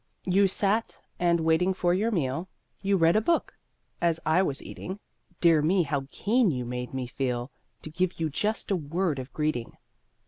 You sat, and, waiting for your meal, You read a book. As I was eating, Dear me, how keen you made me feel To give you just a word of greeting!